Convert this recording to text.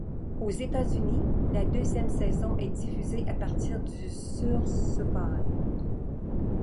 Aux États-Unis la deuxième saison est diffusée à partir du sur Syfy.